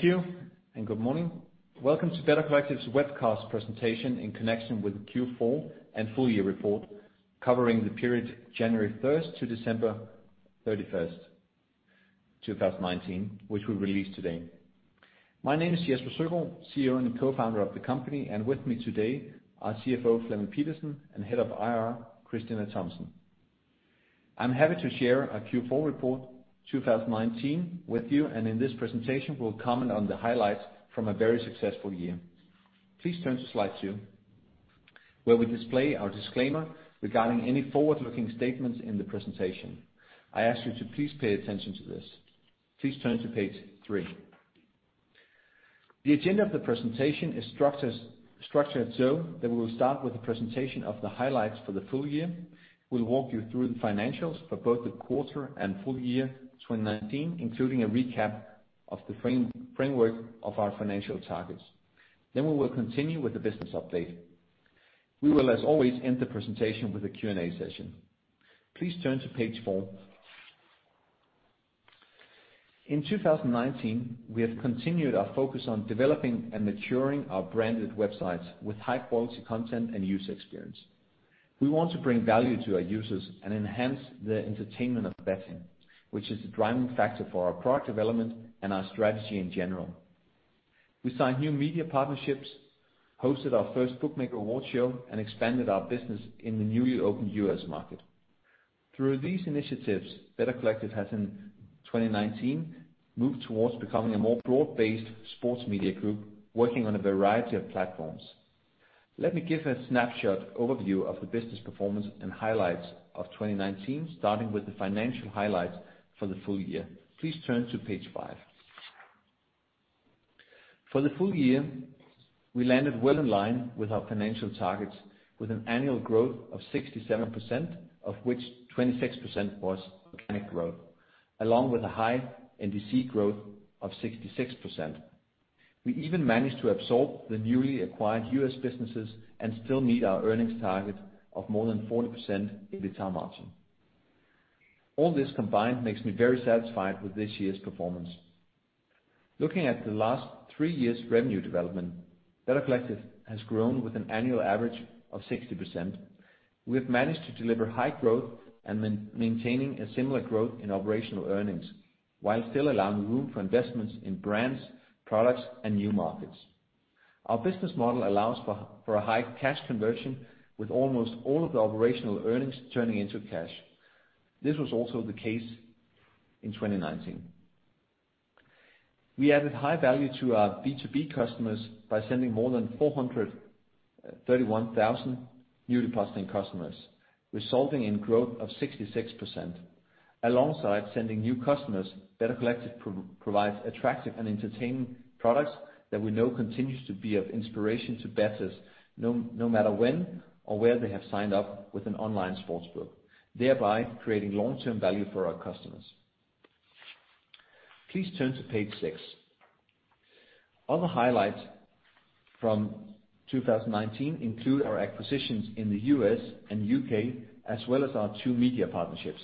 Thank you. Good morning. Welcome to Better Collective's webcast presentation in connection with the Q4 and full-year report covering the period January 1st to December 31st, 2019, which we released today. My name is Jesper Søgaard, CEO and Co-founder of the company, and with me today are CFO Flemming Pedersen and Head of IR, Christina Bastius Thomsen. I'm happy to share our Q4 report 2019 with you, and in this presentation we'll comment on the highlights from a very successful year. Please turn to slide two, where we display our disclaimer regarding any forward-looking statements in the presentation. I ask you to please pay attention to this. Please turn to page three. The agenda of the presentation is structured so that we will start with the presentation of the highlights for the full-year. We'll walk you through the financials for both the quarter and full-year 2019, including a recap of the framework of our financial targets. We will continue with the business update. We will, as always, end the presentation with a Q&A session. Please turn to page four. In 2019, we have continued our focus on developing and maturing our branded websites with high-quality content and user experience. We want to bring value to our users and enhance their entertainment of betting, which is the driving factor for our product development and our strategy in general. We signed new media partnerships, hosted our first Bookmaker Awards, and expanded our business in the newly opened U.S. market. Through these initiatives, Better Collective has in 2019 moved towards becoming a more broad-based sports media group, working on a variety of platforms. Let me give a snapshot overview of the business performance and highlights of 2019, starting with the financial highlights for the full-year. Please turn to page five. For the full-year, we landed well in line with our financial targets with an annual growth of 67%, of which 26% was organic growth, along with a high NDC growth of 66%. We even managed to absorb the newly acquired U.S. businesses and still meet our earnings target of more than 40% EBITDA margin. All this combined makes me very satisfied with this year's performance. Looking at the last three years' revenue development, Better Collective has grown with an annual average of 60%. We have managed to deliver high growth and maintaining a similar growth in operational earnings while still allowing room for investments in brands, products, and new markets. Our business model allows for a high cash conversion with almost all of the operational earnings turning into cash. This was also the case in 2019. We added high value to our B2B customers by sending more than 431,000 newly processing customers, resulting in growth of 66%. Alongside sending new customers, Better Collective provides attractive and entertaining products that we know continues to be of inspiration to betters, no matter when or where they have signed up with an online sportsbook, thereby creating long-term value for our customers. Please turn to page six. Other highlights from 2019 include our acquisitions in the U.S. and U.K., as well as our two media partnerships.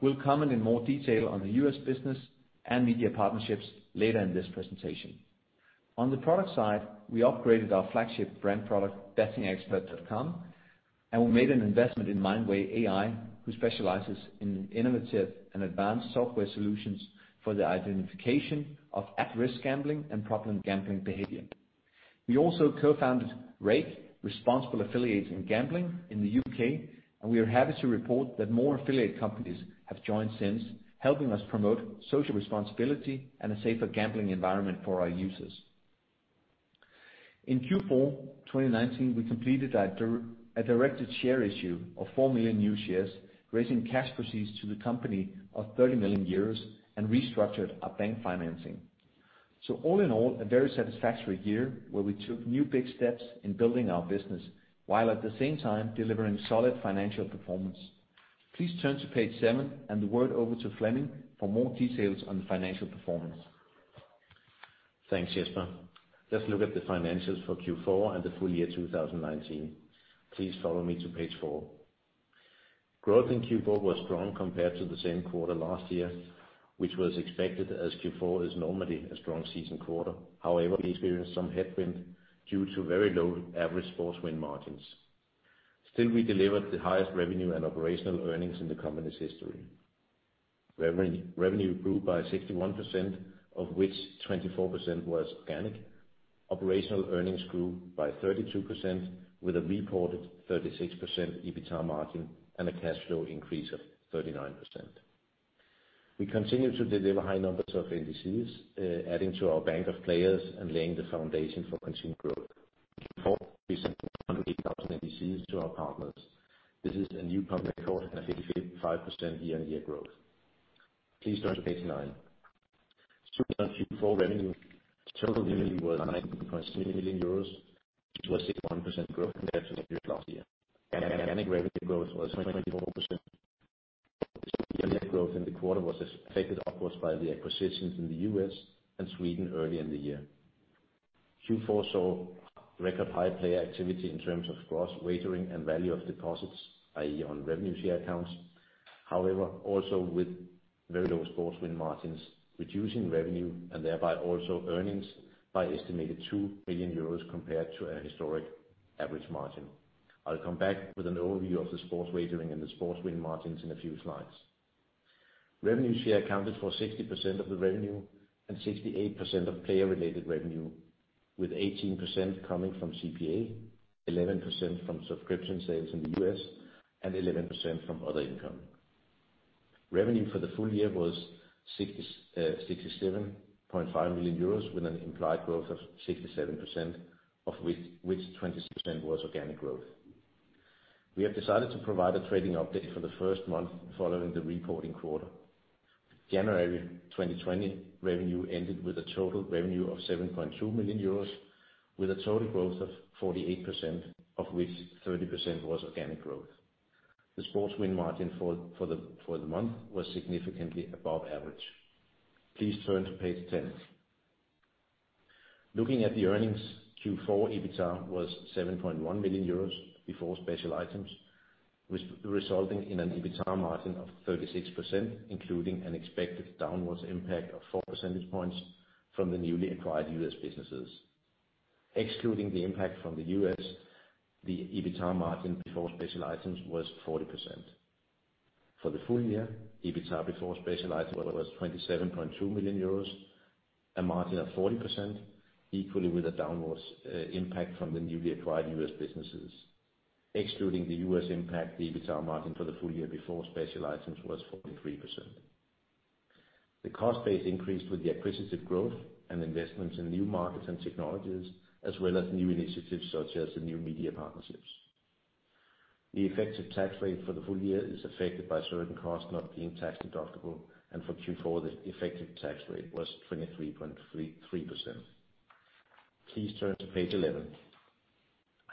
We'll comment in more detail on the U.S. business and media partnerships later in this presentation. On the product side, we upgraded our flagship brand product, bettingexpert.com, and we made an investment in Mindway AI, who specializes in innovative and advanced software solutions for the identification of at-risk gambling and problem gambling behavior. We also co-founded RAiG, Responsible Affiliates in Gambling, in the U.K., and we are happy to report that more affiliate companies have joined since, helping us promote social responsibility and a safer gambling environment for our users. In Q4 2019, we completed a directed share issue of 4 million new shares, raising cash proceeds to the company of 30 million euros and restructured our bank financing. All in all, a very satisfactory year, where we took new big steps in building our business while at the same time delivering solid financial performance. Please turn to page seven and the word over to Flemming for more details on the financial performance. Thanks, Jesper. Let's look at the financials for Q4 and the full-year 2019. Please follow me to page four. Growth in Q4 was strong compared to the same quarter last year, which was expected as Q4 is normally a strong season quarter. We experienced some headwind due to very low average sports win margins. We delivered the highest revenue and operational earnings in the company's history. Revenue grew by 61%, of which 24% was organic. Operational earnings grew by 32% with a reported 36% EBITDA margin and a cash flow increase of 39%. We continue to deliver high numbers of NDCs adding to our bank of players and laying the foundation for continued growth. In Q4, we sent 108,000 NDCs to our partners. This is a new company record and a 55% year-on-year growth. Please turn to page nine. In Q4 revenue, total revenue was 19.2 million euros, which was a 61% growth compared to the figure last year. Organic revenue growth was 24%. The year-on-year growth in the quarter was affected upwards by the acquisitions in the U.S. and Sweden early in the year. Q4 saw record high player activity in terms of gross wagering and value of deposits, i.e., on revenue share accounts. However, also with very low sports win margins, reducing revenue and thereby also earnings by an estimated 2 million euros compared to a historic average margin. I'll come back with an overview of the sports wagering and the sports win margins in a few slides. Revenue share accounted for 60% of the revenue and 68% of player-related revenue, with 18% coming from CPA, 11% from subscription sales in the U.S., and 11% from other income. Revenue for the full-year was 67.5 million euros, with an implied growth of 67%, of which 26% was organic growth. We have decided to provide a trading update for the first month following the reporting quarter. January 2020 revenue ended with a total revenue of 7.2 million euros, with a total growth of 48%, of which 30% was organic growth. The sports win margin for the month was significantly above average. Please turn to page 10. Looking at the earnings, Q4 EBITA was 7.1 million euros before special items, resulting in an EBITA margin of 36%, including an expected downwards impact of 4% points from the newly acquired U.S. businesses. Excluding the impact from the U.S., the EBITA margin before special items was 40%. For the full-year, EBITA before special items was 27.2 million euros, a margin of 40%, equally with a downward impact from the newly acquired U.S. businesses. Excluding the U.S. impact, the EBITA margin for the full-year before special items was 43%. The cost base increased with the acquisitive growth and investments in new markets and technologies, as well as new initiatives such as the new media partnerships. The effective tax rate for the full-year is affected by certain costs not being tax deductible. For Q4, the effective tax rate was 23.3%. Please turn to page 11.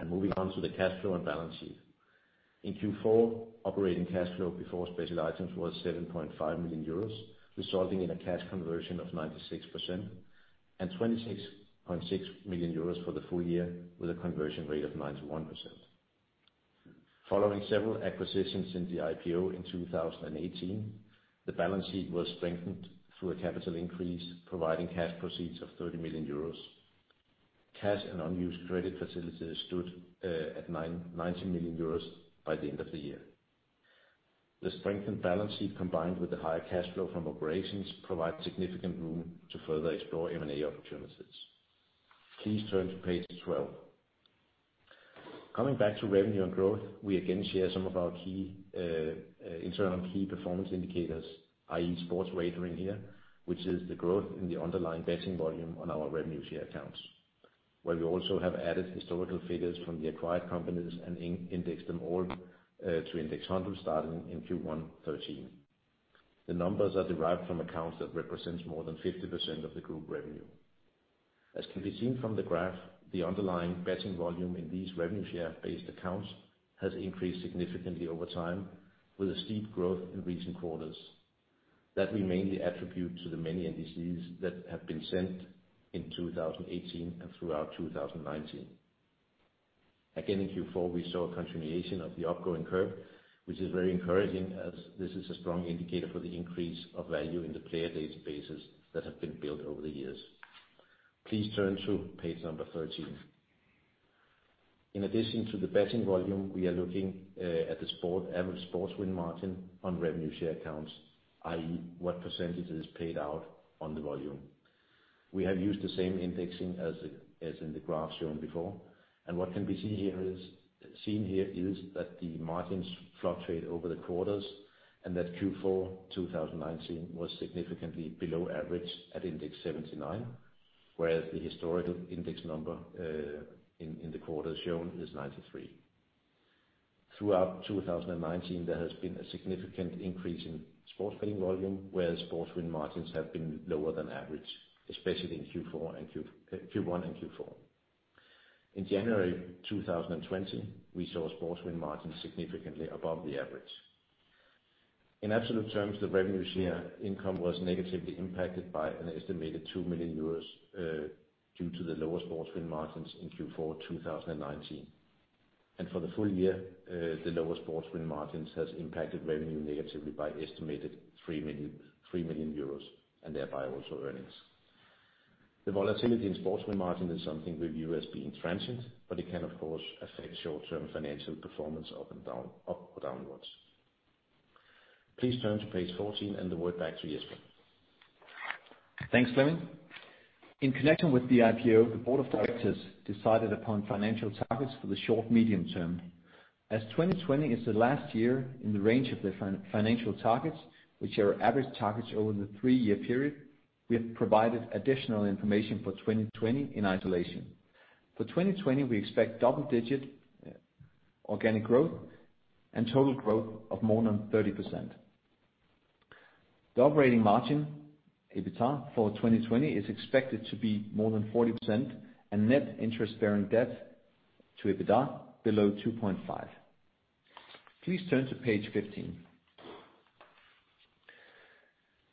Moving on to the cash flow and balance sheet. In Q4, operating cash flow before special items was 7.5 million euros, resulting in a cash conversion of 96%, and 26.6 million euros for the full-year, with a conversion rate of 91%. Following several acquisitions since the IPO in 2018, the balance sheet was strengthened through a capital increase, providing cash proceeds of 30 million euros. Cash and unused credit facilities stood at 90 million euros by the end of the year. The strengthened balance sheet, combined with the higher cash flow from operations, provide significant room to further explore M&A opportunities. Please turn to page 12. Coming back to revenue and growth, we again share some of our internal key performance indicators, i.e., sports wagering here, which is the growth in the underlying betting volume on our revenue share accounts, where we also have added historical figures from the acquired companies and indexed them all to index 100 starting in Q1 2013. The numbers are derived from accounts that represents more than 50% of the group revenue. As can be seen from the graph, the underlying betting volume in these revenue share-based accounts has increased significantly over time with a steep growth in recent quarters. That we mainly attribute to the many NDCs that have been sent in 2018 and throughout 2019. Again, in Q4, we saw a continuation of the upcoming curve, which is very encouraging as this is a strong indicator for the increase of value in the player databases that have been built over the years. Please turn to page number 13. In addition to the betting volume, we are looking at the average sports win margin on revenue share accounts, i.e., what percentage is paid out on the volume. We have used the same indexing as in the graph shown before. What can be seen here is that the margins fluctuate over the quarters, and that Q4 2019 was significantly below average at index 79, whereas the historical index number in the quarter shown is 93. Throughout 2019, there has been a significant increase in sports betting volume, where sports win margins have been lower than average, especially in Q1 and Q4. In January 2020, we saw sports win margins significantly above the average. In absolute terms, the revenue share income was negatively impacted by an estimated 2 million euros due to the lower sports win margins in Q4 2019. For the full-year, the lower sports win margins has impacted revenue negatively by an estimated 3 million euros and thereby also earnings. The volatility in sports win margin is something we view as being transient, but it can of course affect short-term financial performance up or downwards. Please turn to page 14, and the word back to Jesper. Thanks, Flemming. In connection with the IPO, the board of directors decided upon financial targets for the short-medium term. As 2020 is the last year in the range of the financial targets, which are our average targets over the three-year period, we have provided additional information for 2020 in isolation. For 2020, we expect double-digit organic growth and total growth of more than 30%. The operating margin, EBITA, for 2020 is expected to be more than 40%, and net interest-bearing debt to EBITA below 2.5. Please turn to page 15.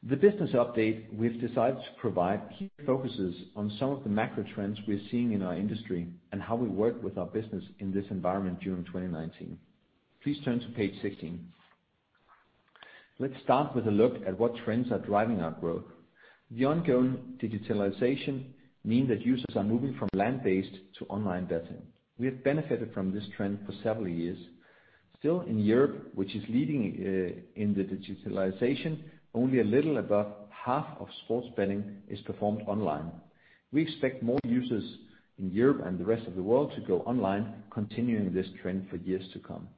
The business update we've decided to provide here focuses on some of the macro trends we're seeing in our industry, and how we work with our business in this environment during 2019. Please turn to page 16. Let's start with a look at what trends are driving our growth. The ongoing digitalization mean that users are moving from land-based to online betting. We have benefited from this trend for several years. Still in Europe, which is leading in the digitalization, only a little about half of sports betting is performed online. We expect more users in Europe and the rest of the world to go online, continuing this trend for years to come.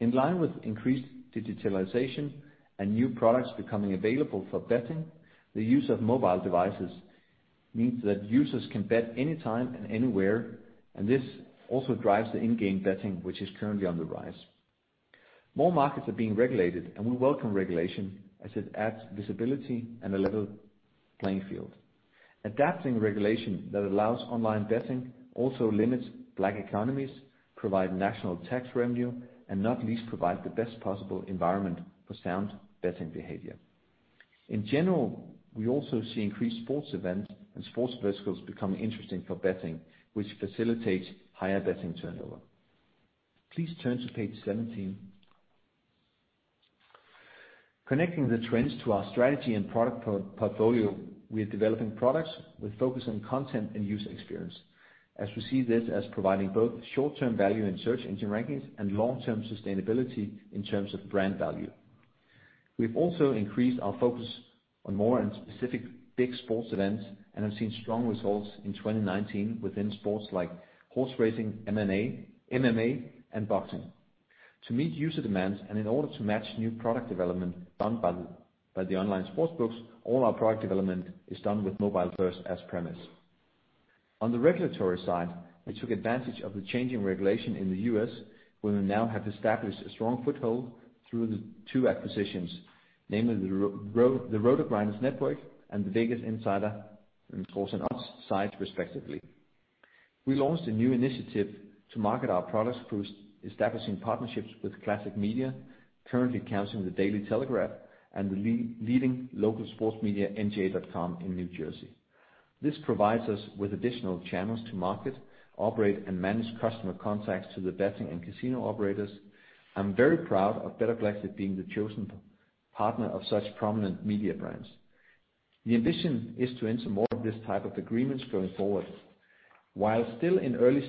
In line with increased digitalization and new products becoming available for betting, the use of mobile devices means that users can bet anytime and anywhere, and this also drives the in-game betting, which is currently on the rise. More markets are being regulated, and we welcome regulation as it adds visibility and a level playing field. Adapting regulation that allows online betting also limits black economies, provide national tax revenue, and not least provide the best possible environment for sound betting behavior. In general, we also see increased sports events and sports verticals becoming interesting for betting, which facilitates higher betting turnover. Please turn to page 17. Connecting the trends to our strategy and product portfolio, we are developing products with focus on content and user experience, as we see this as providing both short-term value in search engine rankings and long-term sustainability in terms of brand value. We've also increased our focus on more and specific big sports events and have seen strong results in 2019 within sports like horse racing, MMA, and boxing. To meet user demands, and in order to match new product development done by the online sports books, all our product development is done with mobile first as premise. On the regulatory side, we took advantage of the changing regulation in the U.S., where we now have established a strong foothold through the two acquisitions, namely the RotoGrinders network and the VegasInsider and for the odds sites respectively. We launched a new initiative to market our products through establishing partnerships with classic media, currently counting The Daily Telegraph and the leading local sports media NJ.com in New Jersey. This provides us with additional channels to market, operate, and manage customer contacts to the betting and casino operators. I'm very proud of Better Collective being the chosen partner of such prominent media brands. The ambition is to enter more of this type of agreements going forward. While still in early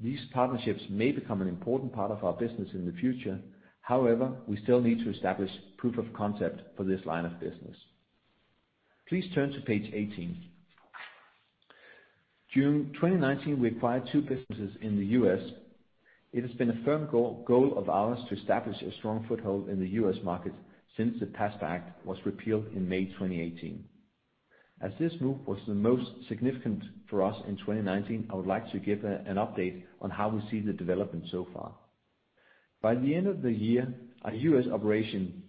stage, these partnerships may become an important part of our business in the future. However, we still need to establish proof of concept for this line of business. Please turn to page 18. During 2019, we acquired two businesses in the U.S. It has been a firm goal of ours to establish a strong foothold in the U.S. market since the PASPA Act was repealed in May 2018. As this move was the most significant for us in 2019, I would like to give an update on how we see the development so far. By the end of the year, our U.S. operations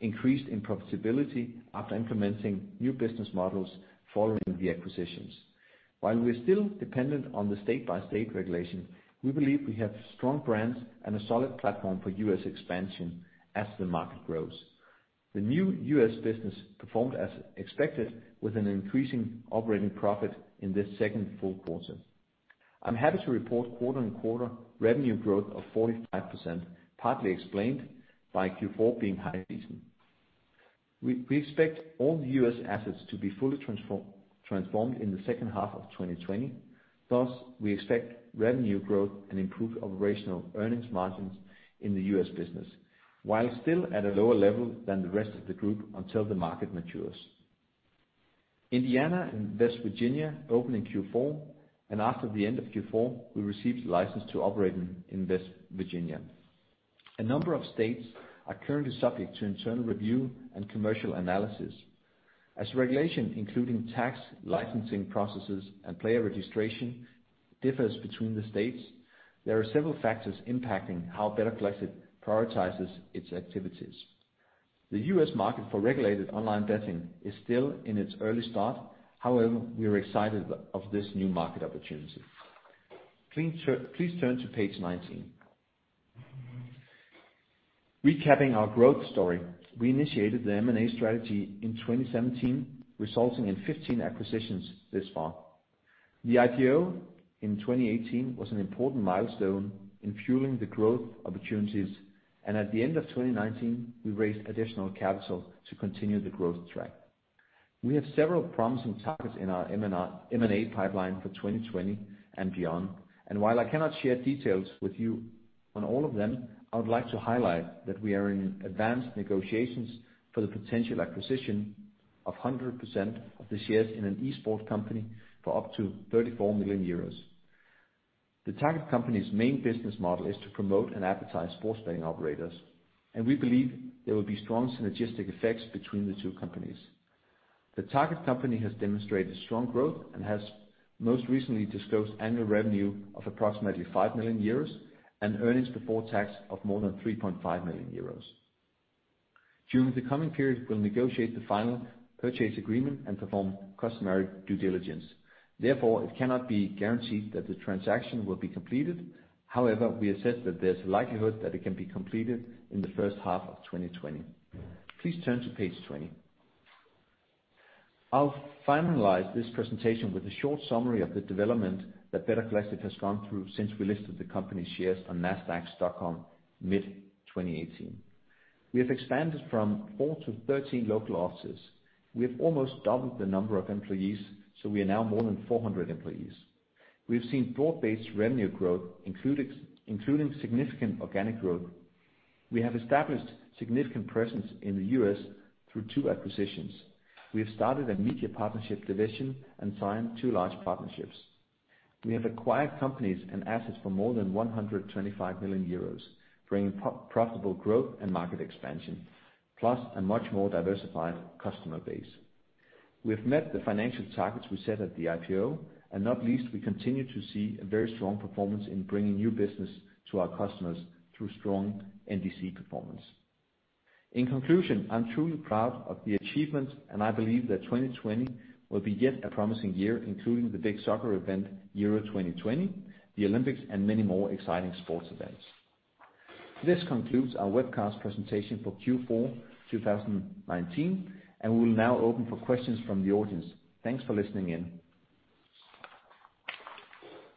increased in profitability after implementing new business models following the acquisitions. While we're still dependent on the state-by-state regulation, we believe we have strong brands and a solid platform for U.S. expansion as the market grows. The new U.S. business performed as expected with an increasing operating profit in this second full quarter. I'm happy to report quarter-on-quarter revenue growth of 45%, partly explained by Q4 being high season. We expect all the U.S. assets to be fully transformed in the second half of 2020. Thus, we expect revenue growth and improved operational earnings margins in the U.S. business, while still at a lower level than the rest of the group until the market matures. Indiana and West Virginia opened in Q4. After the end of Q4, we received the license to operate in West Virginia. A number of states are currently subject to internal review and commercial analysis. As regulation, including tax, licensing processes, and player registration differs between the states, there are several factors impacting how Better Collective prioritizes its activities. The U.S. market for regulated online betting is still in its early start. However, we are excited of this new market opportunity. Please turn to page 19. Recapping our growth story, we initiated the M&A strategy in 2017, resulting in 15 acquisitions thus far. The IPO in 2018 was an important milestone in fueling the growth opportunities, and at the end of 2019, we raised additional capital to continue the growth track. We have several promising targets in our M&A pipeline for 2020 and beyond, and while I cannot share details with you on all of them, I would like to highlight that we are in advanced negotiations for the potential acquisition of 100% of the shares in an esports company for up to 34 million euros. The target company's main business model is to promote and advertise sports betting operators, and we believe there will be strong synergistic effects between the two companies. The target company has demonstrated strong growth and has most recently disclosed annual revenue of approximately 5 million euros and earnings before tax of more than 3.5 million euros. During the coming period, we'll negotiate the final purchase agreement and perform customary due diligence. Therefore, it cannot be guaranteed that the transaction will be completed. However, we assess that there's a likelihood that it can be completed in the first half of 2020. Please turn to page 20. I'll finalize this presentation with a short summary of the development that Better Collective has gone through since we listed the company shares on Nasdaq Stockholm mid-2018. We have expanded from four to 13 local offices. We have almost doubled the number of employees, so we are now more than 400 employees. We have seen broad-based revenue growth, including significant organic growth. We have established significant presence in the U.S. through two acquisitions. We have started a media partnership division and signed two large partnerships. We have acquired companies and assets for more than 125 million euros, bringing profitable growth and market expansion, plus a much more diversified customer base. We have met the financial targets we set at the IPO. Not least, we continue to see a very strong performance in bringing new business to our customers through strong NDC performance. In conclusion, I'm truly proud of the achievements. I believe that 2020 will be yet a promising year, including the big soccer event, Euro 2020, the Olympics, and many more exciting sports events. This concludes our webcast presentation for Q4 2019. We will now open for questions from the audience. Thanks for listening in.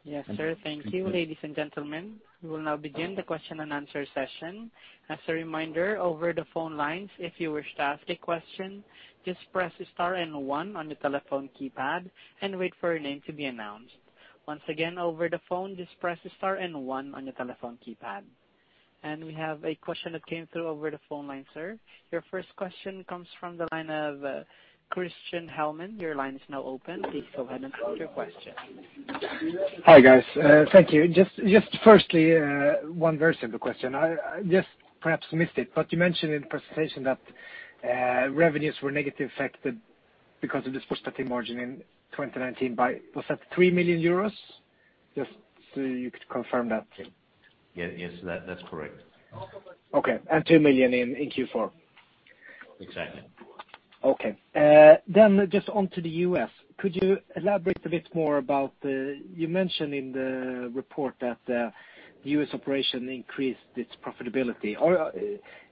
Yes, sir. Thank you. Ladies and gentlemen, we will now begin the question-and-answer session. As a reminder, over the phone lines, if you wish to ask a question, just press star one on the telephone keypad and wait for your name to be announced. Once again, over the phone, just press star one on your telephone keypad. We have a question that came through over the phone line, sir. Your first question comes from the line of Christian Hellman. Your line is now open. Please go ahead and ask your question. Hi, guys. Thank you. Just firstly, one version of the question. I just perhaps missed it, you mentioned in presentation that revenues were negatively affected because of the sports betting margin in 2019 by, was that 3 million euros? Just so you could confirm that. Yes, that's correct. Okay. 2 million in Q4. Exactly. Okay. Just onto the U.S. Could you elaborate a bit more? You mentioned in the report that the U.S. operation increased its profitability.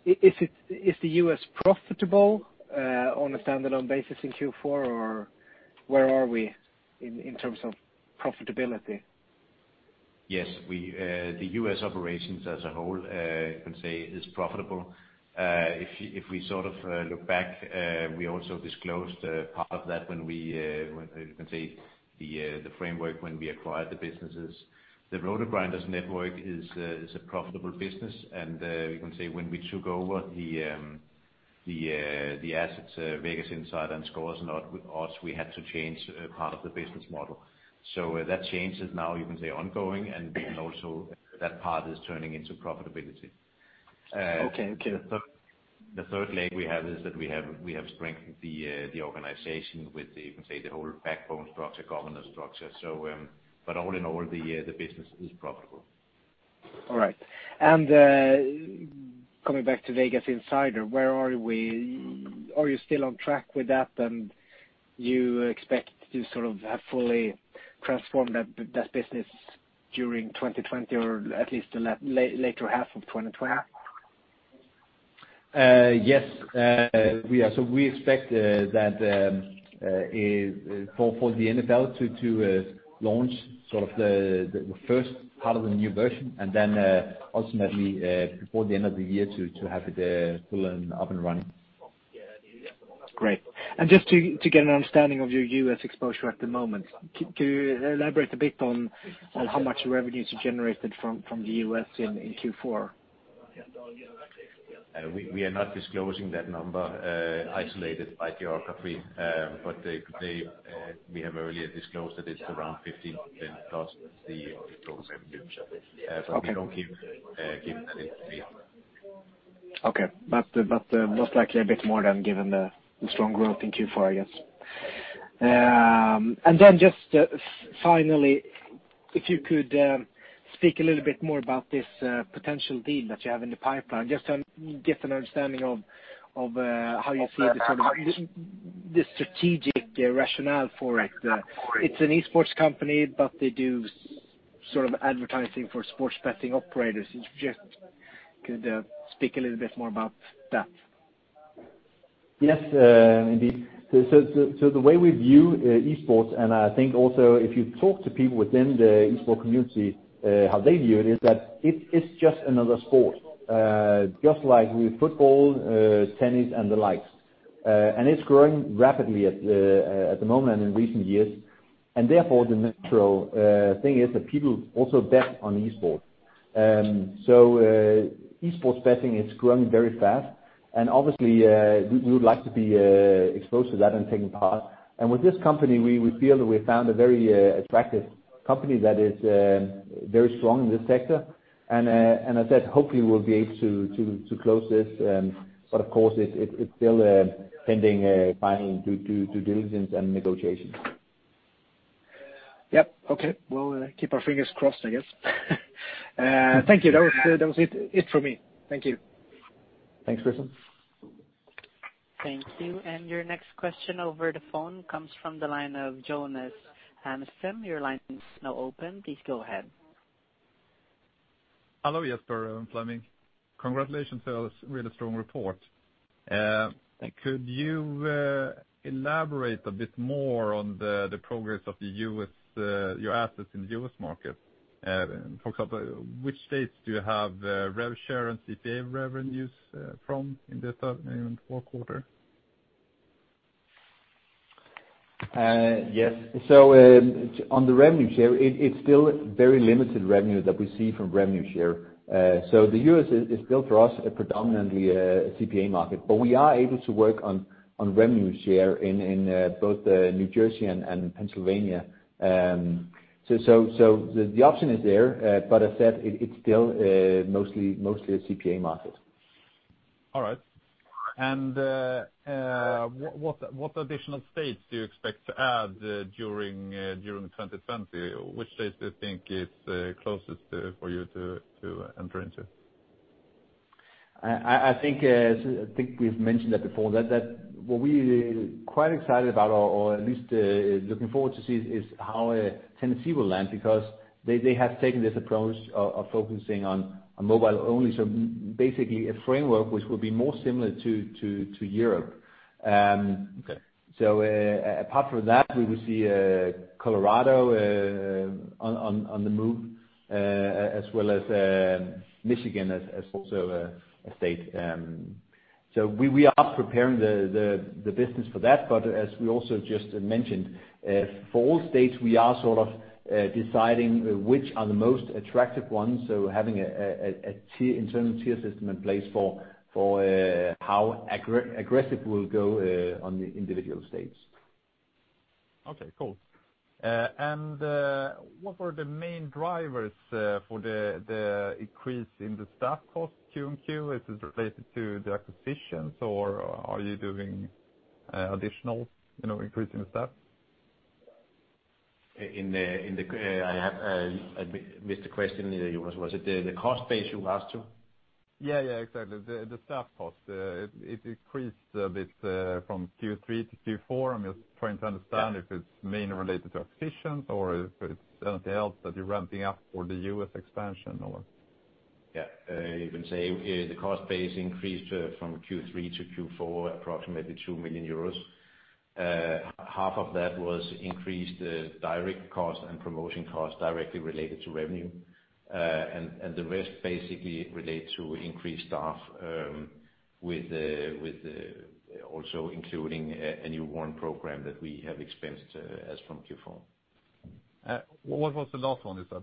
Is the U.S. profitable on a standalone basis in Q4, or where are we in terms of profitability? Yes. The U.S. operations as a whole, you can say is profitable. If we look back, we also disclosed part of that when we, you can say the framework when we acquired the businesses. The RotoGrinders network is a profitable business, and you can say when we took over the assets, VegasInsider and ScoresAndOdds.com we had to change part of the business model. That change is now you can say, ongoing and also that part is turning into profitability. Okay. The third leg we have is that we have strengthened the organization with the, you can say, the whole backbone structure, governance structure. All in all the business is profitable. All right. Coming back to VegasInsider, where are we? Are you still on track with that, and you expect to sort of have fully transformed that business during 2020 or at least the later half of 2020? Yes. We expect that for the NFL to launch sort of the first part of the new version and then ultimately, before the end of the year to have it full and up and running. Great. Just to get an understanding of your U.S. exposure at the moment. Could you elaborate a bit on how much revenues you generated from the U.S. in Q4? We are not disclosing that number isolated by geography. We have earlier disclosed that it's around 15%-20% of the total revenue. Okay. We don't give that info. Okay. Most likely a bit more than given the strong growth in Q4, I guess. Then just finally, if you could speak a little bit more about this potential deal that you have in the pipeline, just to get an understanding of how you see the sort of the strategic rationale for it. It's an e-sports company, but they do sort of advertising for sports betting operators. If you just could speak a little bit more about that. Yes, indeed. The way we view e-sports, and I think also if you talk to people within the e-sport community, how they view it is that it is just another sport. Just like with football, tennis, and the likes. It's growing rapidly at the moment and in recent years. Therefore, the natural thing is that people also bet on e-sports. E-sports betting is growing very fast and obviously, we would like to be exposed to that and taking part. With this company, we feel that we found a very attractive company that is very strong in this sector. As I said, hopefully we'll be able to close this. Of course it's still pending final due diligence and negotiations. Yep. Okay. We'll keep our fingers crossed, I guess. Thank you. That was it from me. Thank you. Thanks, Christian. Thank you. Your next question over the phone comes from the line of Jonas Amnesten. Your line is now open, please go ahead. Hello, Jesper and Flemming. Congratulations to a really strong report. Thank you. Could you elaborate a bit more on the progress of your assets in the U.S. market? For example, which states do you have revenue share and CPA revenues from in the third and fourth quarter? On the revenue share, it's still very limited revenue that we see from revenue share. The U.S. is still, for us, predominantly a CPA market, but we are able to work on revenue share in both New Jersey and Pennsylvania. The option is there, but as I said, it's still mostly a CPA market. All right. What additional states do you expect to add during 2020? Which states do you think is closest for you to enter into? I think we've mentioned that before, that what we are quite excited about or at least looking forward to see is how Tennessee will land because they have taken this approach of focusing on mobile-only. Basically, a framework which will be more similar to Europe. Okay. Apart from that, we will see Colorado on the move, as well as Michigan as also a state. We are preparing the business for that, but as we also just mentioned, for all states, we are sort of deciding which are the most attractive ones. Having an internal tier system in place for how aggressive we will go on the individual states. Okay, cool. What were the main drivers for the increase in the staff cost Q and Q? Is this related to the acquisitions or are you doing additional increase in the staff? I missed the question. Was it the cost base you asked too? Yeah, exactly. The staff cost, it increased a bit from Q3 to Q4. I'm just trying to understand. Yeah if it's mainly related to acquisitions or if it's something else that you're ramping up for the U.S. expansion or? You can say the cost base increased from Q3 to Q4 approximately 2 million euros. Half of that was increased direct cost and promotion cost directly related to revenue. The rest basically relate to increased staff, also including a new warrant program that we have expensed as from Q4. What was the last one you said?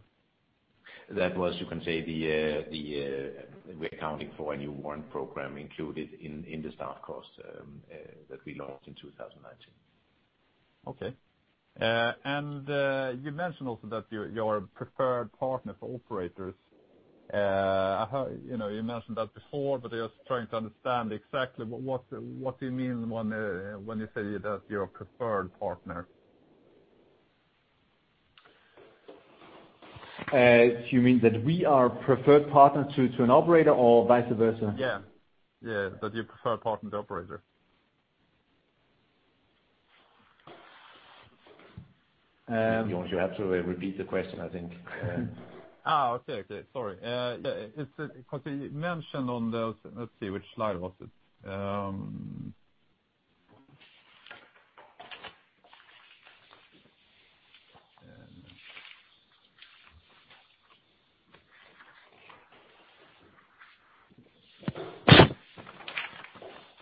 That was, you can say we're accounting for a new warrant program included in the staff cost that we launched in 2019. Okay. You mentioned also that you're a preferred partner for operators. You mentioned that before, but I was trying to understand exactly what you mean when you say that you're a preferred partner. You mean that we are a preferred partner to an operator or vice versa? Yeah. That you're a preferred partner to operator. You have to repeat the question, I think. Okay. Sorry. Let's see, which slide was it?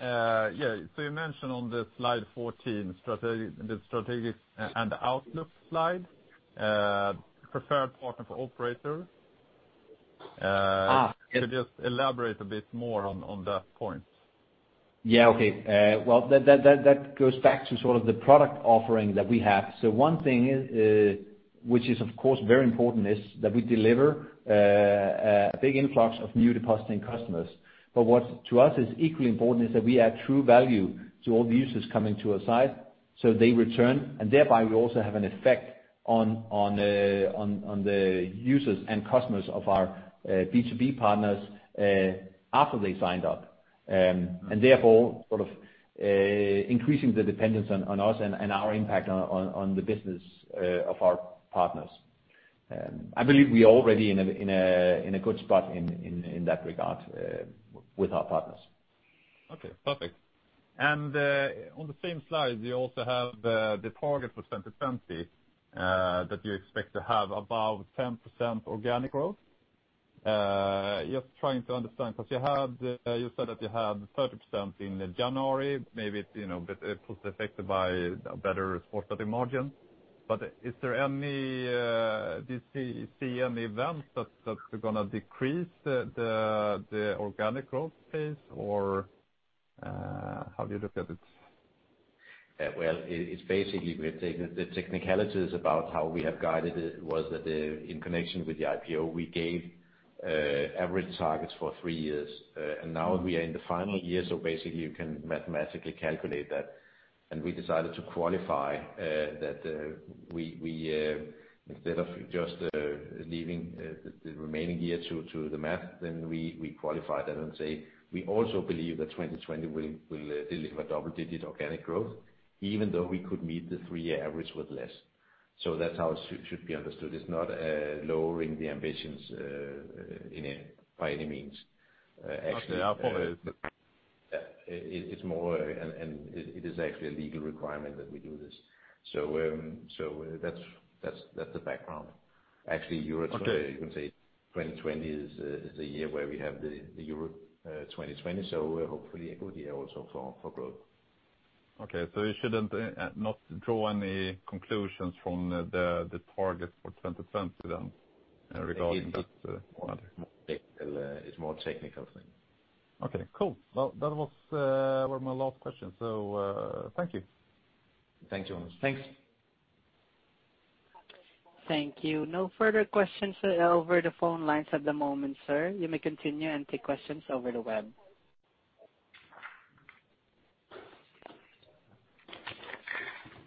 Yeah. You mentioned on the slide 14, the strategic and outlook slide, preferred partner for operator. Could you just elaborate a bit more on that point? Yeah. Okay. That goes back to the product offering that we have. One thing which is of course very important is that we deliver a big influx of new depositing customers. What to us is equally important is that we add true value to all the users coming to our site, so they return, and thereby we also have an effect on the users and customers of our B2B partners after they signed up. Therefore, sort of increasing the dependence on us and our impact on the business of our partners. I believe we are already in a good spot in that regard with our partners. Okay, perfect. On the same slide, you also have the target for 2020, that you expect to have above 10% organic growth. Just trying to understand, because you said that you had 30% in January, maybe it was affected by a better sports betting margin. Do you see any events that are going to decrease the organic growth pace, or how do you look at it? It's basically the technicalities about how we have guided it was that in connection with the IPO, we gave average targets for three years. Now we are in the final year, basically you can mathematically calculate that. We decided to qualify that instead of just leaving the remaining year to the math, then we qualify that and say, we also believe that 2020 will deliver double-digit organic growth, even though we could meet the three-year average with less. That's how it should be understood. It's not lowering the ambitions by any means. Okay. I'll follow this. It is actually a legal requirement that we do this. That's the background. Okay You can say 2020 is the year where we have the Euro 2020. Hopefully a good year also for growth. Okay. We should not draw any conclusions from the targets for 2020 then regarding that one. It's more a technical thing. Okay, cool. Well, that was my last question. Thank you. Thank you. Thanks. Thank you. No further questions over the phone lines at the moment, sir. You may continue and take questions over the web.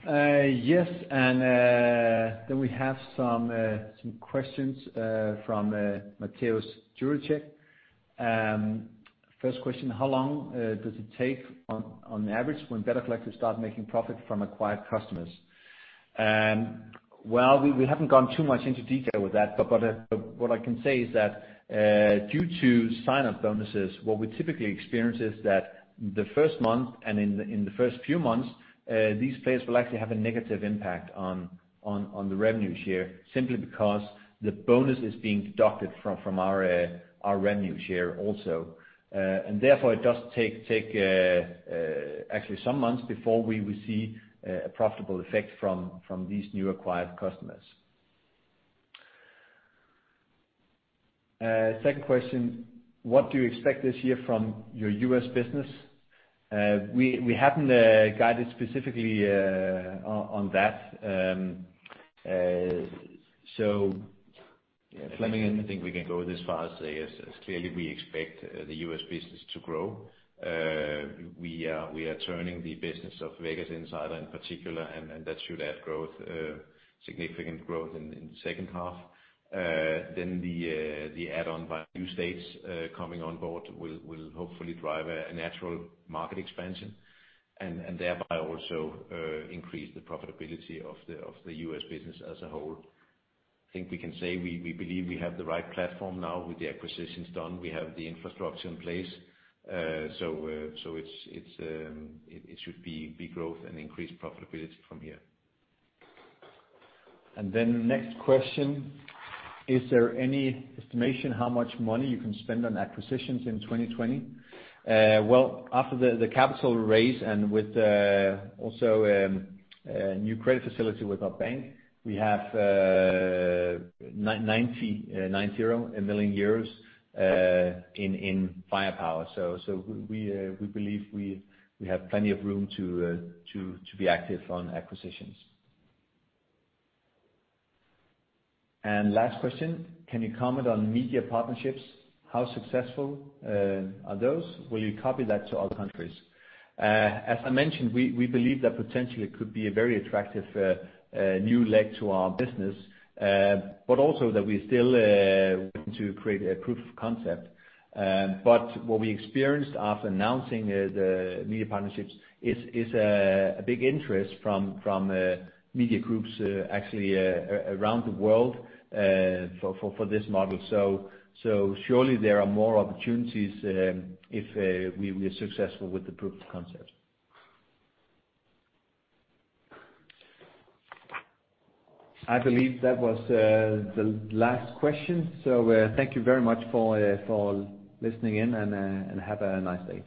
Yes. We have some questions from Mateusz Jurczyk. First question, how long does it take on average when Better Collective starts making profit from acquired customers? Well, we haven't gone too much into detail with that, but what I can say is that due to sign-up bonuses, what we typically experience is that the first month and in the first few months, these players will actually have a negative impact on the revenue share, simply because the bonus is being deducted from our revenue share also. Therefore, it does take actually some months before we will see a profitable effect from these new acquired customers. Second question, what do you expect this year from your U.S. business? We haven't guided specifically on that. Flemming I think we can go this far as say, yes, clearly we expect the U.S. business to grow. We are turning the business of VegasInsider in particular, that should add significant growth in the second half. The add-on by new states coming on board will hopefully drive a natural market expansion, thereby also increase the profitability of the U.S. business as a whole. I think we can say we believe we have the right platform now with the acquisitions done. We have the infrastructure in place. It should be growth and increased profitability from here. Next question, is there any estimation how much money you can spend on acquisitions in 2020? After the capital raise and with also a new credit facility with our bank, we have 90 million euros in firepower. We believe we have plenty of room to be active on acquisitions. Last question, can you comment on media partnerships? How successful are those? Will you copy that to other countries? As I mentioned, we believe that potentially it could be a very attractive new leg to our business. We still want to create a proof of concept. What we experienced after announcing the media partnerships is a big interest from media groups actually around the world for this model. Surely there are more opportunities if we are successful with the proof of concept. I believe that was the last question. Thank you very much for listening in and have a nice day.